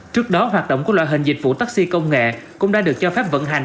trước đó hoạt động của loại hình dịch vụ taxi công nghệ cũng đã được cho phép vận hành